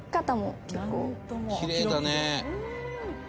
きれいだね。